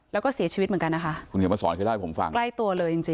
แล้วก็เสียชีวิตเหมือนกันนะคะ